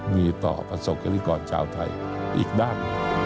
มีต่อประสบกันที่ก่อนชาวไทยอีกด้าน